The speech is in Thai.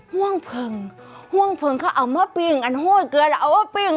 ห่วงเพลิงห่วงเพลิงเค้าเอามาปิงอันโห้เกินละเอามาปิง